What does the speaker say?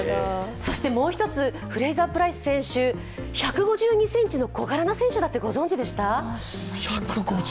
そしてもうひとつフレイザー・プライス選手１５２ｃｍの小柄な選手だってご存じでした？